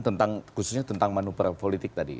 tentang khususnya tentang manuver politik tadi